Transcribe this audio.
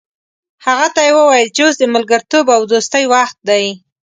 هغه ته یې وویل چې اوس د ملګرتوب او دوستۍ وخت دی.